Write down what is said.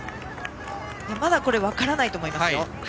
まだ分からないと思います。